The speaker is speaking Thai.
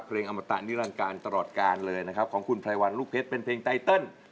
อมตะนิรันการตลอดการเลยนะครับของคุณไพรวันลูกเพชรเป็นเพลงไตเติล